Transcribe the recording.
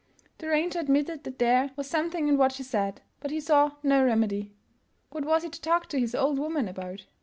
" The ranger admitted that there was something in what she said, but he saw no remedy. What was he to talk to his old woman about?